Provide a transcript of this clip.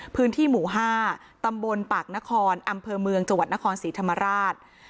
พื้นที่หมู่๕ตำบลปากนครอำเภอเมืองจังหวัดนครศรีธรรมราช